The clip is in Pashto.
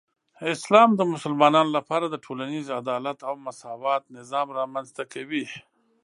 اسلام د مسلمانانو لپاره د ټولنیزې عدالت او مساوات نظام رامنځته کوي.